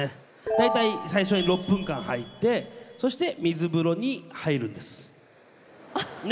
大体最初に６分間入ってそして水風呂に入るんです。ね。